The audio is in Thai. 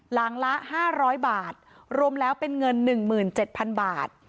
หลังละ๕๐๐บาทรวมแล้วเป็นเงิน๑๗๐๐บาท